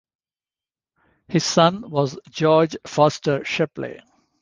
His son was George Foster Shepley.